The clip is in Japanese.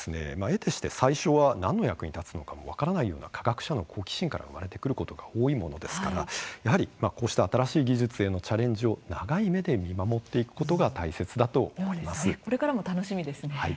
えてして、最初は何の役に立つのか分からないような科学者の好奇心から生まれてくることが多いものですからやはりこうした新しい技術へのチャレンジを長い目で見守っていくことがこれからも楽しみですね。